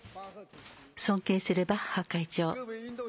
尊敬するバッハ会長。